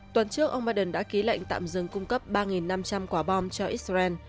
tuần trước ông biden đã ký lệnh tạm dừng cung cấp ba năm trăm linh quả bom cho israel